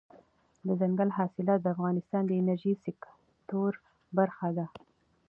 دځنګل حاصلات د افغانستان د انرژۍ سکتور برخه ده.